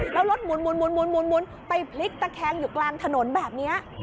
แล้วรถหมุนไปพลิกตะแคงอยู่กลางถนนแบบนี้